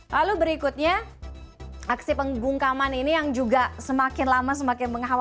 lalu berikutnya aksi penggungkaman ini yang juga semakin lama semakin menghapuskan